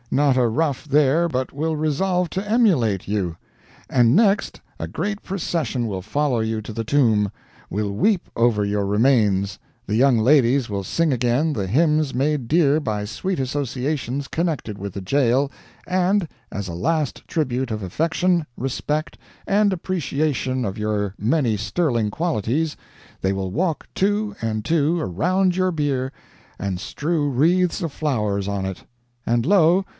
Not a rough there but will resolve to emulate you. And next, a great procession will follow you to the tomb will weep over your remains the young ladies will sing again the hymns made dear by sweet associations connected with the jail, and, as a last tribute of affection, respect, and appreciation of your many sterling qualities, they will walk two and two around your bier, and strew wreaths of flowers on it. And lo!